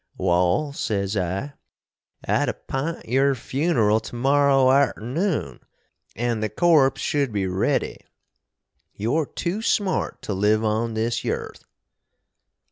"Wall," sez I, "I'd appint your funeral to morrow arternoon, & the korps should be ready. You're too smart to live on this yerth."